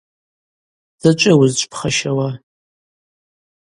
Дзачӏвыйа уызчвпхащауа?